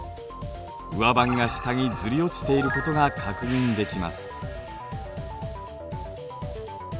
上盤が下にずり落ちていることが確認できます。